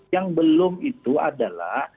yang belum itu adalah